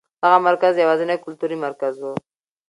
دغه مرکز یوازېنی کلتوري مرکز و.